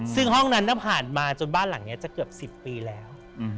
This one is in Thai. ซึ่งห้องนั้นผ่านมาจนบ้านหลังนี้จะเกือบ๑๐ปีแล้ว